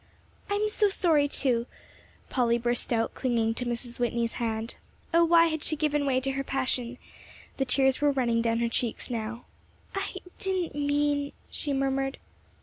"I'm so sorry, too," Polly burst out, clinging to Mrs. Whitney's hand. Oh, why had she given way to her passion? The tears were running down her cheeks now, "I didn't mean " she murmured.